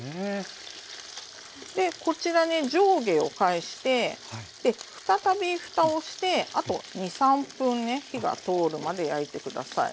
でこちらね上下を返して再びふたをしてあと２３分火が通るまで焼いて下さい。